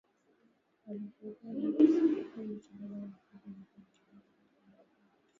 na kumi kipindi ni habari rafiki na jina langu ni edwin